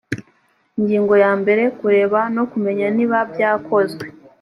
ingingo ya mbere kureba no kumenya niba byakozwe